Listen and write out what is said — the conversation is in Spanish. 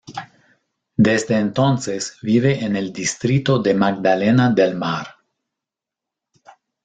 Desde entonces vive en el distrito de Magdalena del Mar.